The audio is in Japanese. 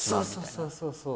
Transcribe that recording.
そうそうそうそう。